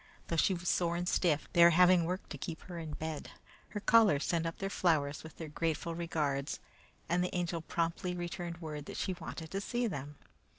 Though she was sore and stiff, they were having work to keep her in bed. Her callers sent up their flowers with their grateful regards, and the Angel promptly returned word that she wanted to see them.